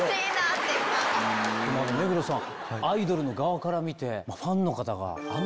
目黒さん。